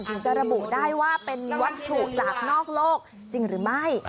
ถึงจะระบุได้ว่าเป็นวัตถุจากนอกโลกจริงหรือไม่